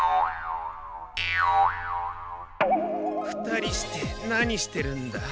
２人して何してるんだ。